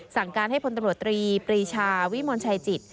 สั่งการให้พลตำรวจตรีปรีชาวิมลชัยจิต